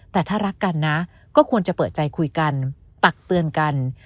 แต่ถ้ารักกันนะก็ควรจะเปิดใจคุยกันตักเตือนกัน